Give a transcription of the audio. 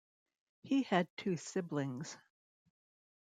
He had two siblings.